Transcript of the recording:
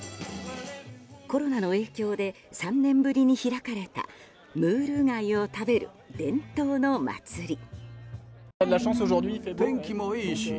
コロナの影響で３年ぶりに開かれたムール貝を食べる伝統の祭り。